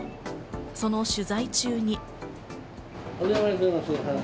その取材中に。